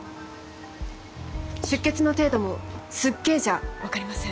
出血の程度も「すっげえ」じゃ分かりません。